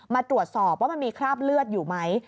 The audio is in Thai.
มาตรวจสอบว่ามันมีคราบเลือดอยู่ไหม